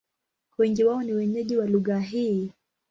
Wengi wao ni wenyeji wa lugha hii.